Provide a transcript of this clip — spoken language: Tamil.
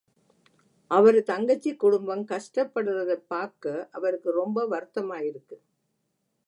அவரு தங்கச்சி குடும்பங் கஷ்டப்படுறதேப் பாக்க அவருக்கு ரொம்ப வருத்தமாயிருக்கு.